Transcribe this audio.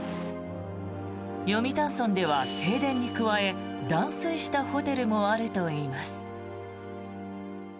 読谷村では停電に加え断水したホテルもあるといいます。